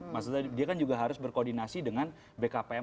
maksudnya dia kan juga harus berkoordinasi dengan bkpm